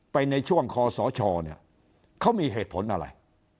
ในช่วงคอสชเนี่ยเขามีเหตุผลอะไร